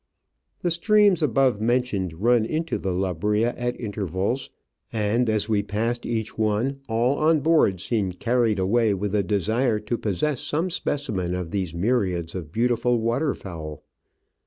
The streams above mentioned run into the Lebrija at intervals, and, as we passed each one, all on board seemed carried away with a desire to possess some specirrien of these myriads of beautiful water fowl.